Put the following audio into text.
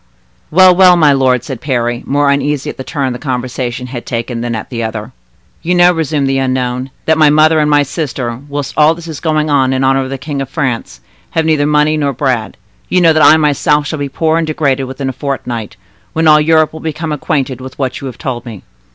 '" "Well, well, my lord," said Parry, more uneasy at the turn the conversation had taken than at the other. "You know," resumed the unknown, "that my mother and my sister, whilst all this is going on in honor of the King of France, have neither money nor bread; you know that I myself shall be poor and degraded within a fortnight, when all Europe will become acquainted with what you have told me.